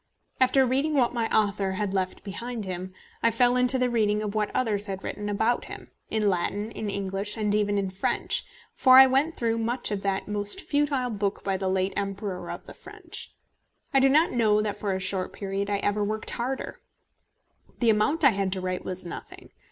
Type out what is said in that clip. After the reading what my author had left behind him, I fell into the reading of what others had written about him, in Latin, in English, and even in French, for I went through much of that most futile book by the late Emperor of the French. I do not know that for a short period I ever worked harder. The amount I had to write was nothing.